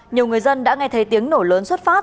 nhiều người dân đã nghe thấy tiếng nổ lớn xuất phát